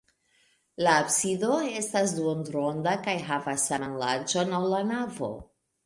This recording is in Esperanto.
La absido estas duonronda kaj havas saman larĝon, ol la navo.